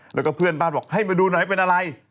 แล้วก็เพื่อนบ้านบอกให้มาดูหน่อยเป็นอะไร